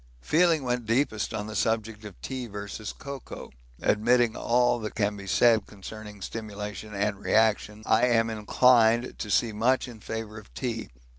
Feeling went deepest on the subject of tea versus cocoa; admitting all that can be said concerning stimulation and reaction, I am inclined to see much in favour of tea.